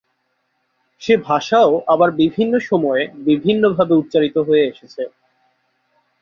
সে ভাষাও আবার বিভিন্ন সময়ে বিভিন্নভাবে উচ্চারিত হয়ে এসেছে।